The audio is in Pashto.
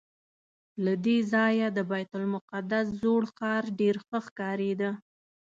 له دې ځایه د بیت المقدس زوړ ښار ډېر ښه ښکارېده.